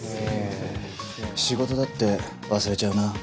仕事だって忘れちゃうな。